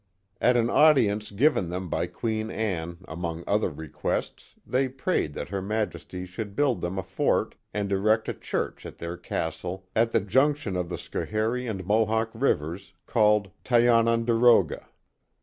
At an audience given them by Queen Anne, among other requests, they prayed that Her Majesty should build them a fort and erect a church at their castle at the junction of the Schoharie and Mohawk rivers, called Tiononderoga.